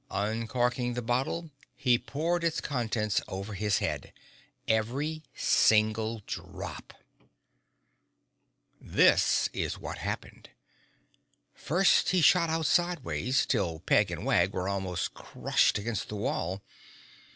Uncorking the bottle he poured its contents over his head—every single drop! This is what happened: First he shot out sideways, till Peg and Wag were almost crushed against the wall.